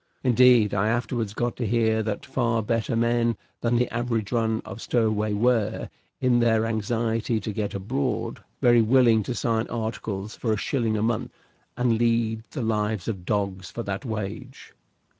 Indeed, I afterwards got to hear that far better men than the average run of stowaway were, in their anxiety to get abroad, very willing to sign articles for a shilling a month, and lead the lives of dogs for that wage.